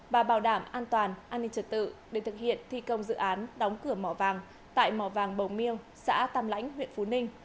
và bảo đảm an toàn an ninh trật tự để thực hiện thi công dự án đóng cửa mỏ vàng tại mỏ vàng bồng miêu xã tàm lãnh huyện phú ninh